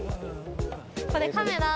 これカメラ